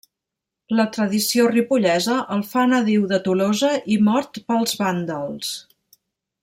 La tradició ripollesa el fa nadiu de Tolosa i mort pels vàndals.